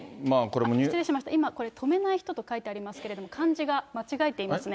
失礼しました、これ、止めない人と書いてありますけれども、漢字が間違えていますね。